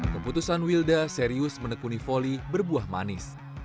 keputusan wilda serius menekuni volley berbuah manis